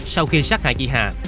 sau khi sát hại chị hà